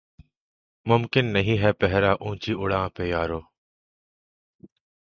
ممکن نہیں ہے پہرہ اونچی اڑاں پہ یارو